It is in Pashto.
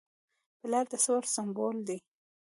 پلار د صبر سمبول دی.